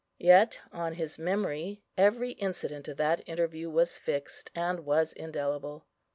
Yet on his memory every incident of that interview was fixed, and was indelible.